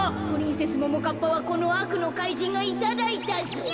プリンセスももかっぱはこのあくのかいじんがいただいたぞ。